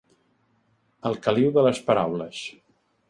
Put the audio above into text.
Al caliu de les paraules.